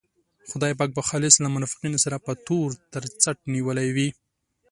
خدای پاک به خالص له منافقینو سره په تور تر څټ نیولی وي.